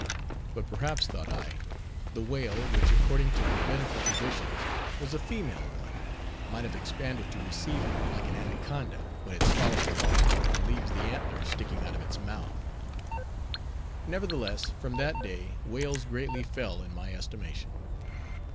But perhaps, thought I, the whale which according to Rabbinical traditions was a female one, might have expanded to receive him like an anaconda, when it swallows an elk and leaves the antlers sticking out of its mouth. Nevertheless, from that day, whales greatly fell in my estimation.